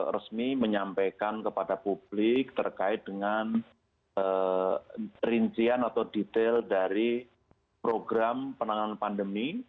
resmi menyampaikan kepada publik terkait dengan rincian atau detail dari program penanganan pandemi